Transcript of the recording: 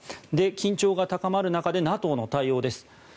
緊張が高まる中でＮＡＴＯの対応です。